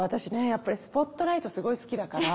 やっぱりスポットライトすごい好きだから。